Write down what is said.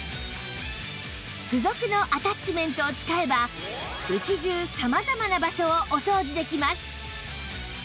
付属のアタッチメントを使えば家中様々な場所をお掃除できます